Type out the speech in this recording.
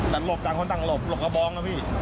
แต่หลบจากคนต่างหลบหลบกระบอง